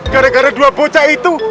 gara gara dua bocah itu